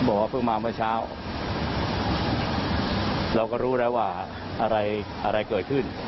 บอกว่าเพิ่งมาเมื่อเช้าเราก็รู้แล้วว่าอะไรอะไรเกิดขึ้น